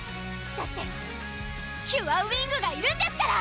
だってキュアウィングがいるんですから！